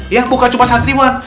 yang bukan cuma santriwan